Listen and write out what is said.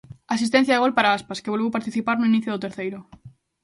Asistencia e gol para Aspas, que volveu participar no inicio do terceiro.